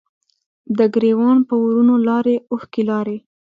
د ګریوان په ورونو لارې، اوښکې لارې